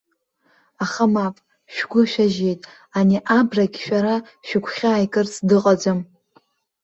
Аха мап, шәгәы шәажьеит, ани абрагь шәара шәыгәхьаа икырц дыҟаӡам!